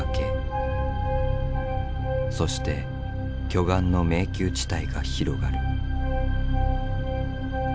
そして巨岩の迷宮地帯が広がる。